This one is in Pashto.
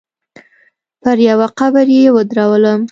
پر يوه قبر يې ودرولم.